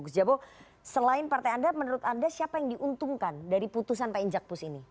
gus jabo selain partai anda menurut anda siapa yang diuntungkan dari putusan pak injakpus ini